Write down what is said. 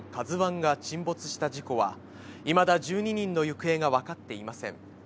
ＫＡＺＵＩが沈没した事故は、いまだ１２人の行方が分かっていません。